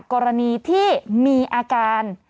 กรณีที่มีอาการ